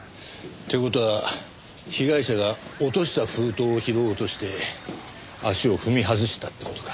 という事は被害者が落とした封筒を拾おうとして足を踏み外したって事か。